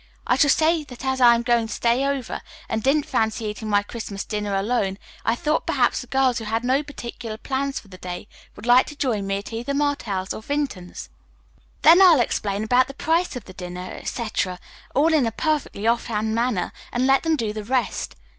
"I shall say that as I am going to stay over and didn't fancy eating my Christmas dinner alone I thought perhaps the girls who had no particular plans for the day would like to join me at either Martell's or Vinton's. Then I'll explain about the price of the dinner, etc., all in a perfectly offhand manner, and let them do the rest.